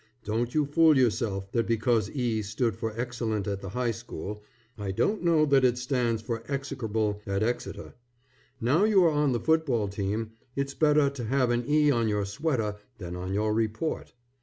Don't you fool yourself that because E stood for excellent at the high school, I don't know that it stands for Execrable at Exeter. Now you are on the football team, it's better to have an E on your sweater, than on your report.